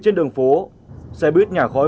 trên đường phố xe buýt nhả khói